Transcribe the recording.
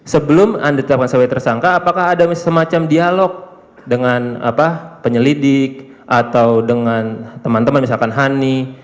sebelum anda ditetapkan sebagai tersangka apakah ada semacam dialog dengan penyelidik atau dengan teman teman misalkan hani